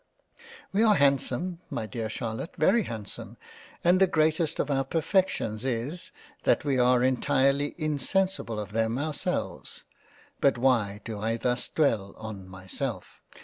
We are handsome my dear Charlotte, very handsome and the greatest of our Perfections is, that we are entirely insensible of them our selves. But why do I thus dwell on myself